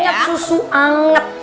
ingat susu anget